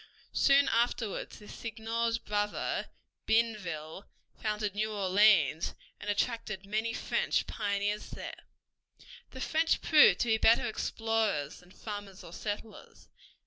Soon afterward this seigneur's brother, Bienville, founded New Orleans and attracted many French pioneers there. The French proved to be better explorers than farmers or settlers.